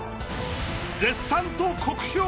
絶賛と酷評。